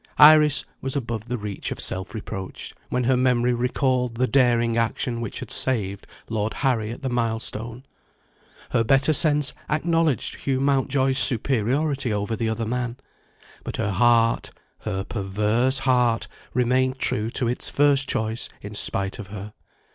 Iris was above the reach of self reproach, when her memory recalled the daring action which had saved Lord Harry at the milestone. Her better sense acknowledged Hugh Mountjoy's superiority over the other man but her heart, her perverse heart, remained true to its first choice in spite of her.